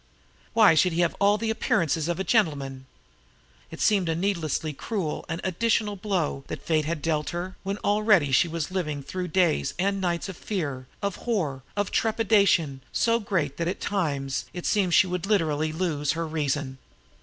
Why should he have all the appearances of gentleman? It seemed a needlessly cruel and additional blow that fate had dealt her, when already she was living through days and nights of fear, of horror, of trepidation, so great that at times it seemed she would literally lose her reason.